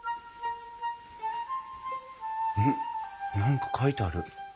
何か書いてある。